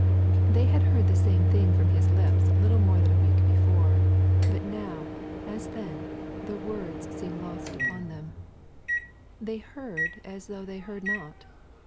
They had heard the sarae thing from His lips little more than a week before. But now^ as then, the words seemed lost upon them. They heard M though they heard not.